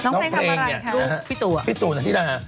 น้องเพลงน้องเพลงเนี่ยิโตร